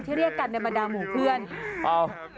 ที่เรียกกันแบบบ้าดาหูเพื่อน